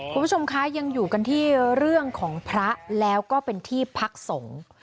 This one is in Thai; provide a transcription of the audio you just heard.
คุณผู้ชมคะยังอยู่กันที่เรื่องของพระแล้วก็เป็นที่พักสงฆ์